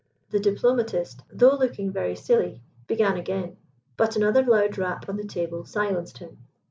The diplomatist, though looking very silly, began again, but another loud rap on the table silenced him.